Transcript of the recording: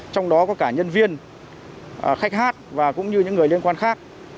trong đó có cả nhân viên khách hát và cũng như những người liên quan khác